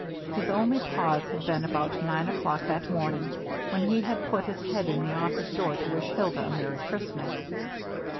His only pause had been about nine o'clock that morning when he had put his head in the office door to wish Hilda a Merry Christmas.